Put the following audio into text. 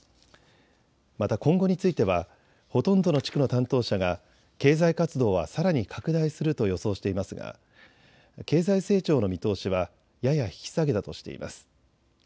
また、今後についてはほとんどの地区の担当者が経済活動はさらに拡大すると予想していますが経済成長の見通しはやや引き下げたとしています。